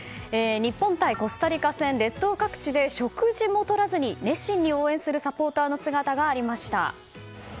日本対コスタリカ戦列島各地で食事もとらずに熱心に応援するサポーターの姿がありました。